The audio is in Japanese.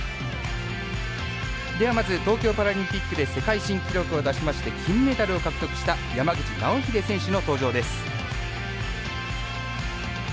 では、まず東京パラリンピックで世界新記録を出しまして金メダルを獲得した山口尚秀選手の登場です。